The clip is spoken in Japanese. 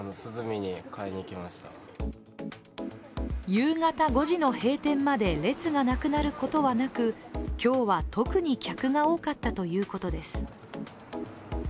夕方５時の閉店まで列がなくなることはなく今日は特に客が多かったということです。